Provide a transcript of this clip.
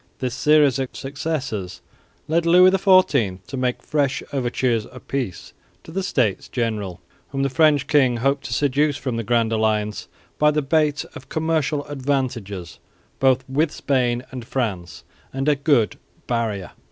This series of successes led Louis XIV to make fresh overtures of peace to the States General, whom the French king hoped to seduce from the Grand Alliance by the bait of commercial advantages both with Spain and France and a good "barrier."